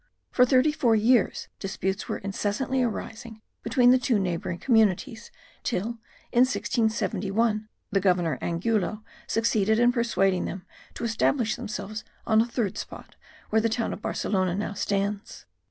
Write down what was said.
For thirty four years, disputes were incessantly arising between the two neighbouring communities till in 1671, the governor Angulo succeeded in persuading them to establish themselves on a third spot, where the town of Barcelona now stands.